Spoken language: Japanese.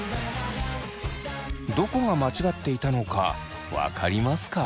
どこが間違っていたのか分かりますか？